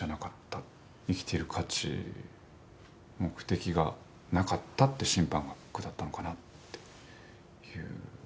生きてる価値目的がなかったって審判が下ったのかなっていう。